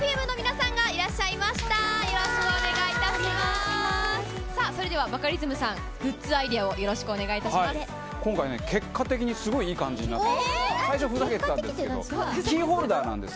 さあそれでは、バカリズムさん、グッズアイデアをよろしくお今回ね、結果的にすごいいい感じになったんです。